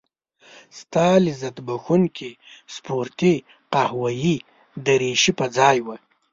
ستا لذت بخښونکې سپورتي قهوه يي دريشي په ځان وه.